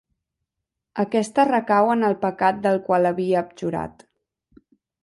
Aquesta recau en el pecat del qual havia abjurat.